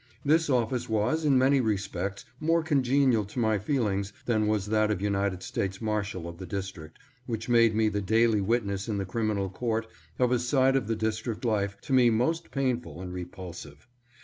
This office was, in many respects, more congenial to my feelings than was that of United States Marshal of the District which made me the daily wit ness in the criminal court of a side of the District life to me most painful and repulsive.